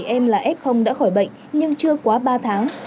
một trăm ba mươi bảy em là f đã khỏi bệnh nhưng chưa quá ba tháng